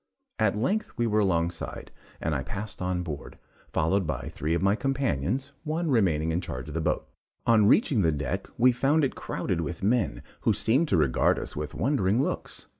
At length we were alongside, and I passed on board, followed by three of my companions, one remaining in charge of the boat. On reaching the deck, we found it crowded with men, who seemed to regard us with wondering looks.